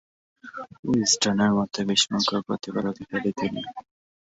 উইজডেনের মতে, বিস্ময়কর প্রতিভার অধিকারী তিনি।